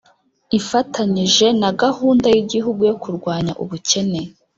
ifatanyije na gahunda y'igihugu yo kurwanya ubukene